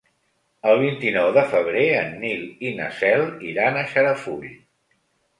El vint-i-nou de febrer en Nil i na Cel iran a Xarafull.